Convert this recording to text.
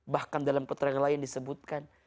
bahkan dalam keterangan lain disebutkan